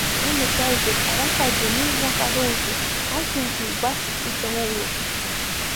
Анаџьалбеит, араҟа адунеи заҟароузеи, ажәҩангьы убас иҵаулоуп!